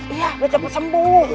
iya udah cepat sembuh